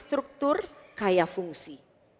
struktur kaya fungsi